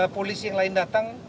polisi yang lain datang